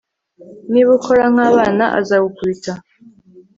niba ukora nk'abana, azagukubita